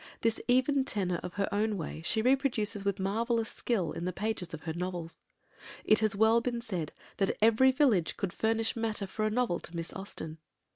This even tenor of her own way she reproduces with marvellous skill in the pages of her novels. It has been well said that "every village could furnish matter for a novel to Miss Austen."